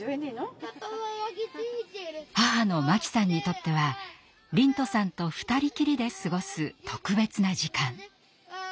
母の真紀さんにとっては龍翔さんと二人きりで過ごす特別な時間。